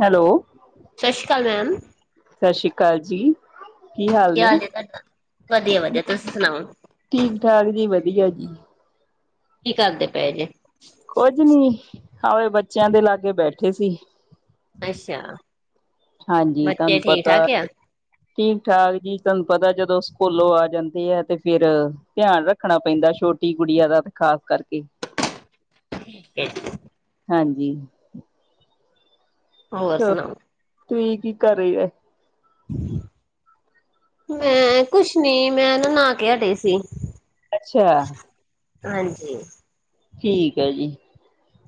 Hello ਸਤਿ ਸ਼੍ਰੀ ਅਕਾਲ ਮੈਮ ਸਤਿ ਸ਼੍ਰੀ ਅਕਾਲ ਜੀ ਕੀ ਹਾਲ ਤੁਹਾਡਾ, ਵਧੀਆ, ਵਧੀਆ ਤੁਸੀਂ ਸੁਣਾਓ ਠੀਕ -ਠਾਕ ਜੀ ਵਧੀਆ ਜੀ ਕੀ ਕਰਦੇ ਪਏ ਜੇ ਕੁੱਝ ਨੀ, ਹਵੇ ਬੱਚਿਆਂ ਦੇ ਲਾਗੇ ਬੈਠੇ ਸੀ ਅੱਛਾ। ਹਾਂਜੀ, ਬੱਚੇ ਤੁਹਾਨੂੰ ਠੀਕ ਪਤਾ ਠਾਕ ਆ ਠੀਕ, ਠਾਕ ਜੀ ਤੁਹਾਨੂੰ ਪਤਾ ਜਦੋਂ ਸਕੂਲੋਂ ਆ ਜਾਂਦੇ ਹੈ ਤੇ ਫਿਰ ਧਿਆਨ ਰੱਖਣਾ ਪੈਂਦਾ ਛੋਟੀ ਗੁੜੀਆਂ ਦਾ ਤੇ ਖ਼ਾਸ ਕਰਕੇ ਇਹ ਹਾਂਜੀ! ਹੋਰ ਸੁਣਾਓ ਤੁਸੀਂ ਕੀ ਕਰ ਰਹੀ ਮੈਂ ਕੁਛ ਨੀ, ਮੈਂ ਨਾ ਨਹਾ ਕੇ ਹਟੀ ਸੀ। ਅੱਛਾ। ਹਾਂਜੀ। ਠੀਕ ਹੈ ਜੀ।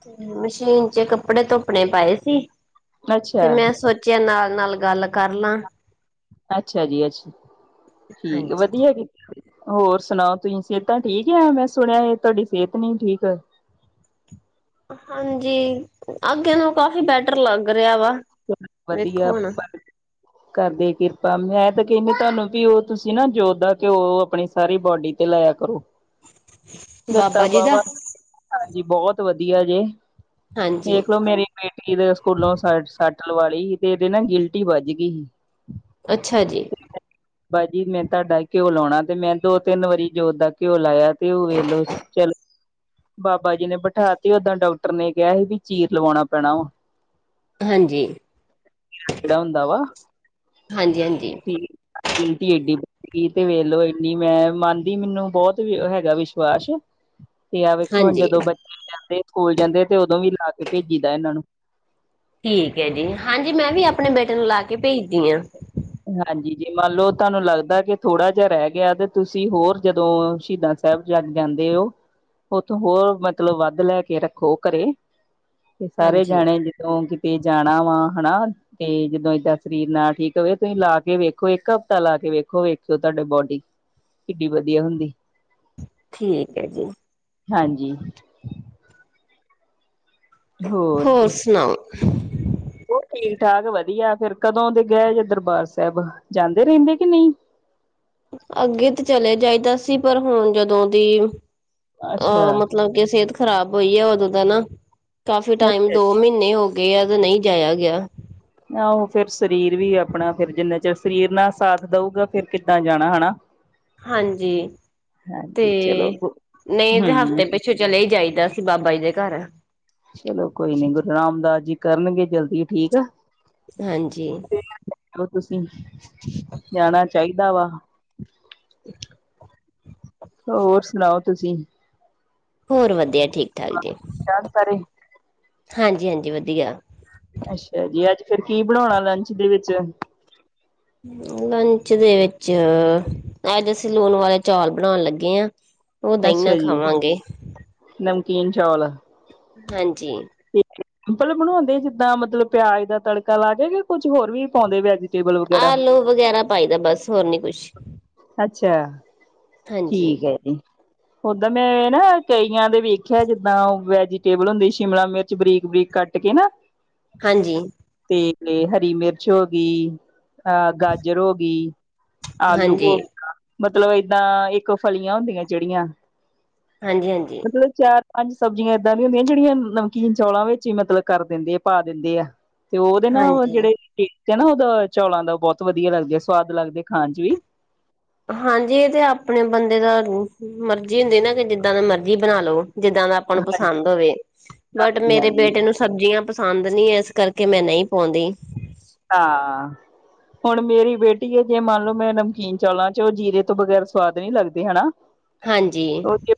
ਤੇ ਮਸ਼ੀਨ ਚ ਕੱਪੜੇ ਧੁੱਪਣੇ ਪਾਏ ਸੀ, ਅੱਛਾ, ਤੇ ਮੈਂ ਸੋਚ ਸੋਚਿਆ ਨਾਲ-ਨਾਲ ਗੱਲ ਕਰ ਲਾਂ। ਅੱਛਾ ਜੀ ਅੱਛਾ, ਠੀਕ ਹਾਂਜੀ ਵਧੀਆ ਕੀਤਾ। ਹੋਰ ਸੁਣਾਓ ਤੁਸੀਂ ਸਿਹਤਾਂ ਠੀਕ ਆ? ਮੈਂ ਸੁਣਿਆ ਇਹ ਤੁਹਾਡੀ ਸਿਹਤ ਨਹੀਂ ਠੀਕ। ਹਾਂਜੀ, ਅੱਗੇ ਨੂੰ ਕਾਫੀ ਬੈਟਰ ਲੱਗ ਰਿਹਾ ਵਾ। ਵਧੀਆ ਵੇਖੋ ਹੁਣ ਆਪਾਂ ਤੇ। ਕਰਦੇ ਕਿਰਪਾ, ਮੈਂ ਤਾਂ ਕਹਿੰਦੀ ਤੁਹਾਨੂੰ ਵੀ ਉਹ ਤੁਸੀਂ ਨਾ ਜੋਤਦਾ ਘਿਓ ਆਪਣੀ ਸਾਰੀ ਬੋਡੀ। ਤੇ ਲਾਈਆਂ ਕਰੋ। ਲਤਾਂ ਬਾਬਾ ਜੀ ਦਾ ਬਾਵਾ, ਹਾਂਜੀ ਬਹੁਤ ਵਧੀਆ ਜੇ ਹਾਂਜੀ ਵੇਖਲੋ ਮੇਰੀ। ਬੇਟੀ ਦੇ ਸਕੂਲੋਂ ਸ ਸੱਟ ਲਵਾਲੀ ਤੇ ਇਹਦੇ ਨਾ ਗਿਲਟੀ ਵੱਜ ਗਈ ਸੀ। ਅੱਛਾ ਜੀ। ਬਾਬਾ ਜੀ ਮੈਂ ਤੁਹਾਡਾ ਘਿਓ ਲਾਉਣਾ ਤੇ ਮੈਂ ਦੋ ਤਿੰਨ ਵਾਰੀ ਜੋਤ ਦਾ ਘਿਓ ਲਾਇਆ ਤੇ ਵੇਖਲੋ। ਚਲੋ ਬਾਬਾ ਜੀ ਨੇ ਬਿਠਾ ਤੇ ਓਦਾਂ ਡਾਕਟਰ ਨੇ ਕਿਹਾ ਸੀ ਵੀ ਚੀਰ ਲਵਾਉਣਾ ਪੈਣਾ ਉਹ। ਹਾਂਜੀ ਕਿਹੜਾ ਹੁੰਦਾ ਵਾ ਹਾਂਜੀ ਹਾਂਜੀ ਕੀ। ਤੇ ਵੇਲੋ ਗਿਲਟੀ ਐਡੀ, ਮੈਂ ਮੰਨਦੀ ਮੈਨੂੰ ਬਹੁਤ ਹੈਗਾ ਵਿਸ਼ਵਾਸ। ਤੇ ਆ ਵੇਖੋ ਹੁਣ ਹਾਂਜੀ ਜਦੋਂ ਬੱਚੇ ਜਾਂਦੇ ਸਕੂਲ ਜਾਂਦੇ ਤੇ ਉਦੋਂ ਵੀ ਲਾ ਕੇ ਭੇਜੀ ਦਾ ਇਹਨਾਂ ਨੂੰ। ਠੀਕ ਹੈ ਜੀ, ਹਾਂਜੀ ਮੈਂ ਵੀ ਆਪਣੇ ਬੇਟੇ ਨੂੰ ਲਾ ਕੇ ਭੇਜਦੀ ਹਾਂ। ਹਾਂਜੀ ਜੀ, ਮੰਨ ਲਓ ਤੁਹਾਨੂੰ ਲੱਗਦਾ ਕਿ ਥੋੜਾ ਜਿਹਾ ਰਹਿ ਗਿਆ ਤੇ ਤੁਸੀਂ ਹੋਰ ਜਦੋਂ ਸ਼ਹੀਦਾਂ। ਸਾਹਿਬਜ਼ਾਦ ਜਾਂਦੇ ਹੋ, ਉੱਥੋਂ ਹੋਰ ਮਤਲਬ ਵੱਧ ਲੈ ਕੇ ਰੱਖੋ ਘਰੇ। ਤੇ ਸਾਰੇ ਹਾਂਜੀ ਜਾਣੇ ਜਦੋਂ ਕਿਤੇ ਜਾਣਾ ਵਾ ਹਨਾ, ਤੇ ਜਦੋਂ ਏਦਾਂ ਸਰੀਰ ਨਾ ਠੀਕ। ਵੇ ਤੁਸੀਂ ਲਾ ਕੇ ਵੇਖੋ ਇੱਕ ਹਫ਼ਤਾ ਲਾ ਕੇ ਵੇਖੋ, ਵੇਖਿਓ ਤੁਹਾਡੇ ਬੋਡੀ। ਕਿੱਡੀ ਵਧੀਆ ਹੁੰਦੀ। ਠੀਕ ਹੈ ਜੀ। ਹਾਂਜੀ। ਹੋਰ ਕੀ। ਉਹ ਠੀਕ ਠਾਕ ਵਧੀਆ, ਫੇਰ ਕਦੋਂ ਦੇ ਗਏ ਜੇ ਦਰਬਾਰ ਸਾਹਿਬ। ਜਾਂਦੇ ਰਹਿੰਦੇ, ਕਿ ਨਹੀਂ। ਅੱਗੇ ਤੇ ਚਲੇਿਆ ਜਾਈਦਾ ਸੀ, ਪਰ ਹੁਣ ਜਦੋਂ ਦੀ। ਅੱਛਾ ਅਹ ਮਤਲਬ ਕਿ ਸਿਹਤ ਖ਼ਰਾਬ ਹੋਈ ਹੈ ਉਦੋਂ ਦਾ ਨਾ, ਕਾਫੀ ਅੱਛਾ ਟਾਈਮ ਦੋ ਅੱਛਾ। ਮਹੀਨੇ ਹੋ ਗਏ। ਗਇਆ ਤਾਂ ਨਹੀਂ ਜਾਇਆ ਗਿਆ। ਨਾ ਉਹ ਫੇਿਰ ਸਰੀਰ ਵੀ ਆਪਣਾ, ਫਿਰ ਜਿੰਨਾ ਚਿਰ ਸਰੀਰ ਨਾ ਸਾਥ ਦਊਗਾ ਫਿਰ ਕਿੱਦਾਂ ਜਾਣਾ ਹਨਾ। ਹਾਂਜੀ, ਤੇ ਹਾਂਜੀ ਚਲੋ ਗੁ- ਨਹੀਂ ਤੇ ਹਮ ਹਫ਼ਤੇ ਪਿੱਛੇ। ਪੀਛੋ ਚਲੇ ਜਾਈਦਾ ਸੀ ਬਾਬਾ ਜੀ ਦੇ ਘਰ। ਚਲੋ ਕੋਈ ਨੀ, ਗੁਰੂ ਰਾਮਦਾਸ ਜੀ ਕਰਨਗੇ ਜਲਦੀ ਠੀਕ ਆ। ਹਾਂਜੀ। ਹੈਲੋ ਤੁਸੀਂ, ਜਾਣਾ ਚਾਹੀਦਾ ਵਾ। [inaudible] ਹੋਰ ਸੁਣਾਓ ਤੁਸੀਂ। ਹੋਰ ਵਧੀਆ ਠੀਕ- ਠਾਕ ਜੀ, ਚੱਲ ਸਾਰੇ ਹਾਂਜੀ-ਹਾਂਜੀ ਵਧੀਆ। ਅੱਛਾ ਜੀ, ਅੱਜ ਫਿਰ ਕੀ ਬਣਾਉਣਾ ਲੰਚ ਦੇ ਵਿੱਚ। ਹ। ਲੰਚ ਦੇ ਵਿੱਚ, ਅੱਜ ਅਸੀਂ ਲੂਣ ਵਾਲੇ ਚੌਲ ਬਣਾਉਣ ਲੱਗੇ ਹਾਂ। ਉਹ ਦਹੀਂ ਨਾਲ ਅੱਛਾ ਜੀ, ਖਾਵਾਂਗੇ ਨਮਕੀਨ ਚੌਲ। ਹਾਂਜੀ। ਸਿੰਪਲ ਬਣਾਉਂਦੇ ਜਿੱਦਾਂ ਮਤਲਬ ਪਿਆਜ ਦਾ ਤੜਕਾ ਲਾ ਕੇ ਜਾ ਕੁੱਝ ਹੋਰ ਵੀ ਪਾਉਂਦੇ ਵਿਜ। ਆਲੂ ਵਗੈਰਾ ਪਾਈ ਦਾ ਬਸ, ਹੋਰ ਨੀ ਕੁਛ। ਅੱਛਾ, ਹਾਂਜੀ। ਠੀਕ ਹੈ ਜੀ। ਉਦਾਂ ਮੈਂ ਨਾ ਕਈਆਂ ਦੇ ਵੇਖਿਆ ਜਿੱਦਾਂ ਉਹ, ਵੈਜੀਟੇਬਲ ਹੁੰਦੀ ਸ਼ਿਮਲਾ ਮਿਰ ਵਿੱਚ ਬਰੀਕ- ਬਰੀਕ ਕੱਟ ਕੇ ਨਾ। ਹਾਂਜੀ। ਤੇ ਹਰੀ ਮਿਰਚ ਹੋ ਗਈ। ਅਹ ਗਾਜਰ ਹੋ ਗਈ, ਆਲੂ ਹੋ ਗ, ਹਾਂਜੀ ਮਤਲਬ ਏਦਾਂ ਇੱਕ ਫਲੀਆਂ ਹੁੰਦੀਆਂ ਜਿਹੜੀਆਂ। ਹਾਂਜੀ, ਹਾਂਜੀ। ਮਤਲਬ ਚਾਰ ਪੰਜ ਸਬਜ਼ੀਆਂ ਏਦਾਂ ਦੀਆਂ ਹੁੰਦੀਆਂ ਜਿਹੜੀਆਂ, ਨਮਕੀਨ ਚੌਲਾਂ ਵਿੱਚ ਹੀ ਮਤਲਬ ਕਰ ਦਿੰਦੇ ਆ, ਪਾ ਦਿੰਦੇ ਆ। ਤੇ ਉਹਦੇ ਨਾ ਹਾਂਜੀ ਜਿਹੜੇ ਟੇਸਟ ਆ ਨਾ, ਉਹਦਾ ਚੌਲਾਂ ਦਾ ਬਹੁਤ ਵਧੀਆ ਲੱਗਦੇ ਆ ਸਵਾਦ ਲੱਗਦੇ ਖਾਣ 'ਚ ਵੀ। ਹਾਂਜੀ ਇਹ ਤੇ ਆਪਣੇ ਬੰਦੇ ਦਾ, ਮਰਜੀ ਹੁੰਦੀ ਨਾ ਕਿ ਜਿੱਦਾਂ ਦਾ ਮਰਜੀ ਬਣਾ ਲਓ, ਜਿੱਦਾਂ ਦਾ ਆਪ ਨੂੰ ਪਸੰਦ ਹੋਵੇ, ਬਟ ਹਾਂਜੀ ਮੇਰੇ ਹਾਂਜੀ ਬੇਟੇ ਨੂੰ ਸਬਜ਼ੀਆਂ ਪਸੰਦ ਨਹੀਂ, ਇਸ ਕਰਕੇ ਮੈਂ ਨਹੀਂ ਪਾਉਂਦੀ। ਹਾਂ। ਹੁਣ ਮੇਰੀ ਬੇਟੀ ਹੈ, ਜੇ ਮੰਨ ਲਓ ਮੈਂ ਨਮਕੀਨ ਚੌਲਾਂ 'ਚ ਉਹ ਜੀਰੇ ਤੋਂ ਬਗੈਰ ਸਵਾਦ ਨੀ ਲੱਗਦੇ ਹਨਾ। ਹਾਂਜੀ। ਓਕੇ।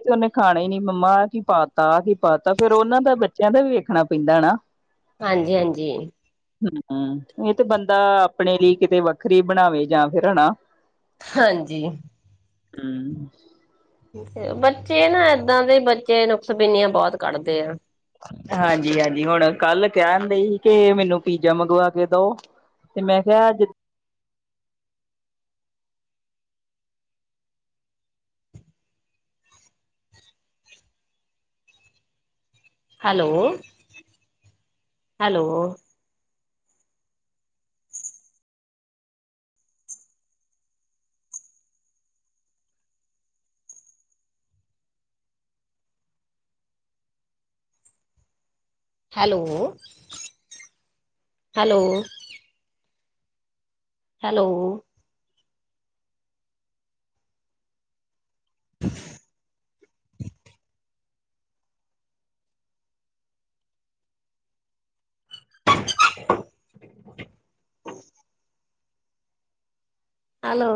ਤੇ ਉਹਨੇ ਖਾਣਾ ਹੀ ਨੀ ਮੰਮਾ ਕੀ ਪਾਤਾ, ਕੀ ਪਾਤਾ ਫਿਰ ਉਹਨਾਂ ਦਾ ਬੱਚਿਆਂ ਦਾ ਵੀ ਵੇਖਣਾ ਪੈਂਦਾ ਨਾ। ਹਾਂਜੀ, ਹਾਂਜੀ। ਇਹ ਤੇ ਬੰਦਾ, ਆਪਣੇ ਲਈ ਕਿਤੇ ਵੱਖਰੀ ਬਣਾਵੇ ਜਾਂ ਫਿਰ ਹਨਾ। ਹਾਂਜੀ। ਹਮ। ਬੱਚੇ ਨਾ ਏਦਾਂ ਦੇ ਬੱਚੇ, ਨੁਕਸ ਬੇਨੀਆਂ ਬਹੁਤ ਕੱਢਦੇ ਆ। ਹਾਂਜੀ- ਹਾਂਜੀ ਹੁਣ ਕੱਲ ਕਹਿਣ ਦੀ ਸੀ, ਕਿ ਮੈਨੂੰ ਪੀਜ਼ਾ ਮੰਗਵਾ ਕੇ ਦਓ। ਤੇ ਮੈਂ ਕਿਹਾ ਜ hello, hello. Hello, hello. Hello. [inaudible] [inaudible] Hello.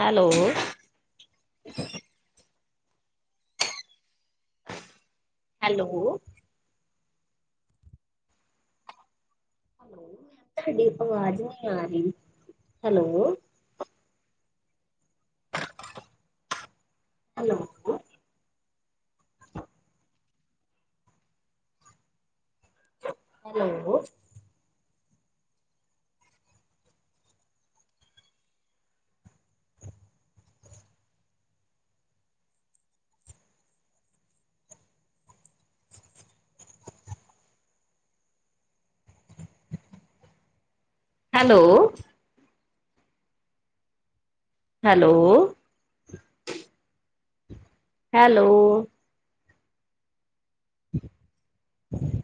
Hello. Hello. ਤੁਹਾਡੀ ਆਵਾਜ਼ ਨਹੀਂ ਆ ਰਹੀ, hello. Hello. Hello. Hello. Hello. Hello. ਹਮ, ਹਮ।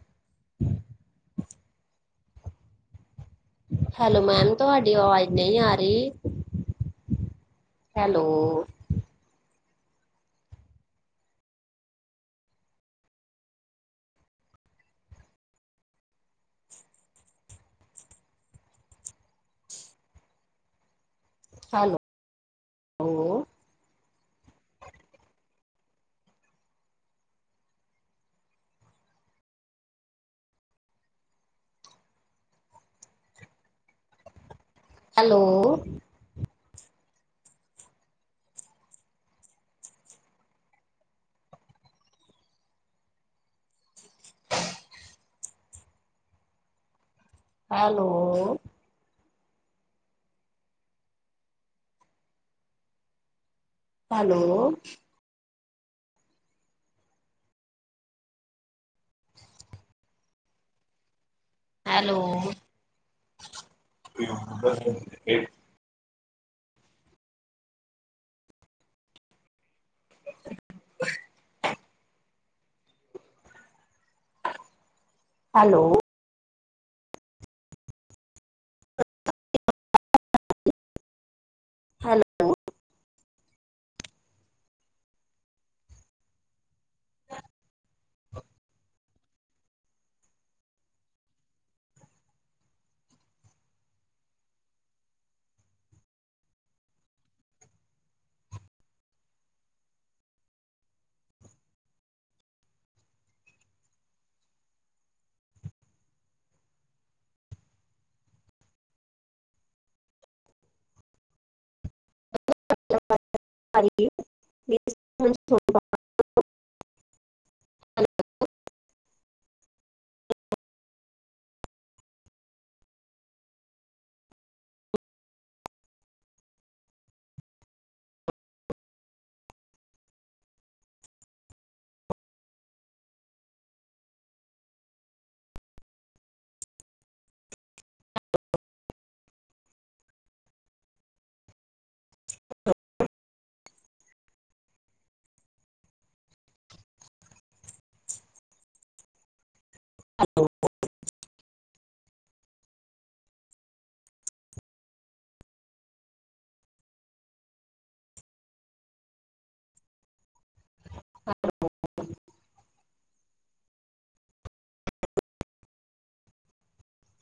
[inaudible] ਹੈਲੋ ਮੈਮ ਤੁਹਾਡੀ ਅਵਾਜ਼ ਨਹੀਂ ਆ ਰਹੀ। ਹੈਲੋ। ਹੈਲੋ ਹੋ। Hello. Hello. Hello. Hello. Hello. Hello. [unintelligible] Hello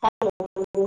hello